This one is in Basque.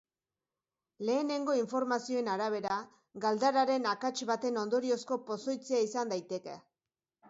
Lehenengo informazioen arabera, galdararen akats baten ondoriozko pozoitzea izan daiteke.